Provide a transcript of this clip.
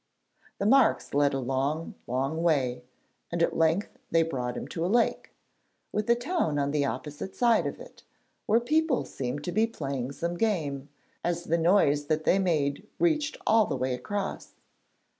The marks led a long, long way, and at length they brought him to a lake, with a town on the opposite side of it, where people seemed to be playing some game, as the noise that they made reached all the way across.